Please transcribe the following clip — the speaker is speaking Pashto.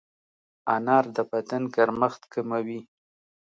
انار د بدن ګرمښت کموي.